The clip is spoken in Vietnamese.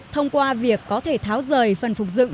thông qua việc có thể tháo rời phần phục dựng